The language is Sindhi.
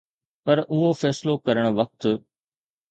پر اهو فيصلو ڪرڻ وقت